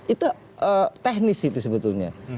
itu teknis itu sebetulnya